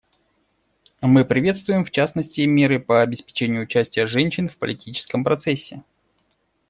Мы приветствуем, в частности, меры по обеспечению участия женщин в политическом процессе.